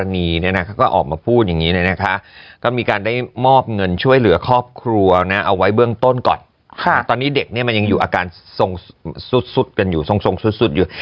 ตอนนี้เด็กมันยังอยู่อาการทรงทรงสุดอยู่